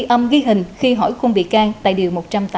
âm ghi hình khi hỏi khung bị can tại điều một trăm tám mươi tám